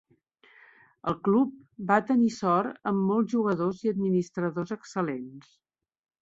El club va tenir sort amb molts jugadors i administradors excel·lents.